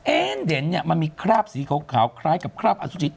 เด่นเนี่ยมันมีคราบสีขาวคล้ายกับคราบอสุจิ